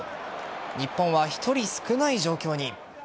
日本は１人少ない状況に。